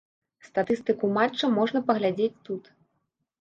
Статыстыку матча можна паглядзець тут.